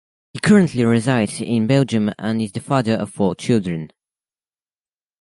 He currently resides in Belgium and is the father of four children.